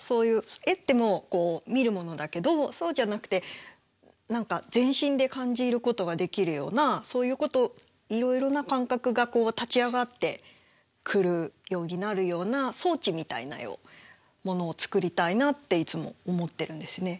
絵ってもう見るものだけどそうじゃなくて何か全身で感じることができるようなそういうことをいろいろな感覚が立ち上がってくるようになるような装置みたいな絵をものを作りたいなっていつも思ってるんですね。